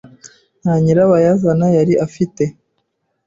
Nta nyirabayazana yari afite